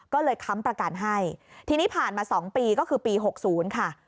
ก็เลยค้ำประกันให้ทีนี้ผ่านมา๒ปีก็คือปี๖๐ค่ะ